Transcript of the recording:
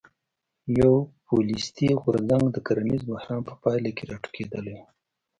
پوپولیستي غورځنګ د کرنیز بحران په پایله کې راټوکېدلی و.